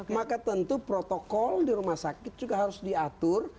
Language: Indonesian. maka tentu protokol di rumah sakit juga harus diatur